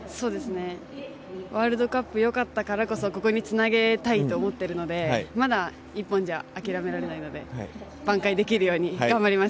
ワールドカップ、よかったからこそここにつなげたいと思ってるのでまだ１本じゃ諦められないので挽回できるように頑張ります。